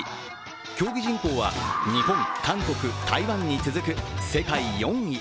競技人口は日本、韓国、台湾に続く世界４位。